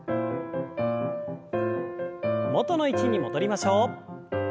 元の位置に戻りましょう。